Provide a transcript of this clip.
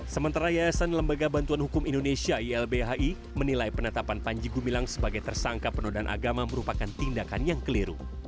sementara yayasan lembaga bantuan hukum indonesia ylbhi menilai penetapan panji gumilang sebagai tersangka penodaan agama merupakan tindakan yang keliru